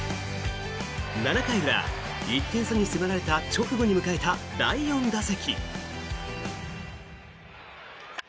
７回裏１点差に迫られた直後に迎えた第４打席。